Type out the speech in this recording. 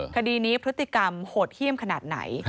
คดีนี้พฤติกรรมโหดเยี่ยมขนาดไหน